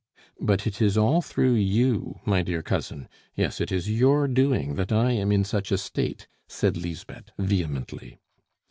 "But it is all through you, my dear cousin; yes, it is your doing that I am in such a state," said Lisbeth vehemently.